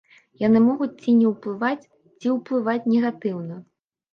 Яны могуць ці не ўплываць, ці ўплываць негатыўна.